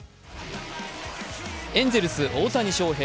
エンゼルス・大谷翔平。